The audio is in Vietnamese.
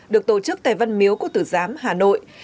được tổ chức tại văn miếu của tử giám hà nội